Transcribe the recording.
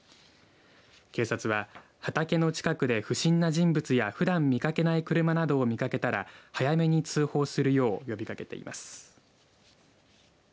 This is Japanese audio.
警察は畑の近くで不審な人物やふだん見掛けない車などを見掛けたら早めに通報するよう呼びかけています。